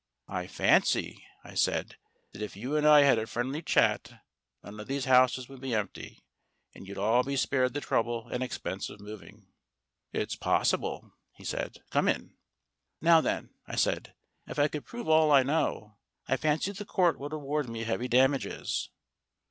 "I fancy," I said, "that if you and I had a friendly chat, none of these houses would be empty, and you'd all be spared the trouble and expense of moving." "It's possible," he said. "Come in." "Now, then," I said, "if I could prove all I know, I fancy the Court would award me heavy damages."